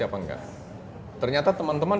apa enggak ternyata teman teman